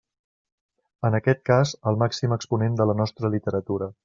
En aquest cas el màxim exponent de la nostra literatura.